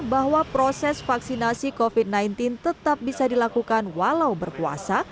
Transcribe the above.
bahwa proses vaksinasi covid sembilan belas tetap bisa dilakukan walau berpuasa